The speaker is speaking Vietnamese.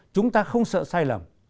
chúng ta không sợ sai lầm